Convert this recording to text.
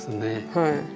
はい。